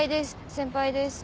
先輩です。